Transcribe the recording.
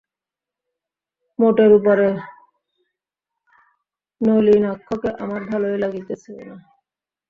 মোটের উপরে, নলিনাক্ষকে আমার ভালোই লাগিতেছে না।